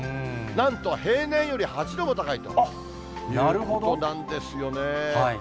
なんと平年より８度も高いということなんですよね。